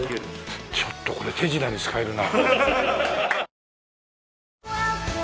ちょっとこれ手品に使えるな。